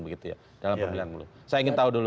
begitu ya dalam pemilihan mulut saya ingin tahu dulu